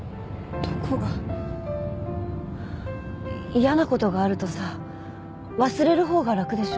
嫌なことがあるとさ忘れる方が楽でしょ？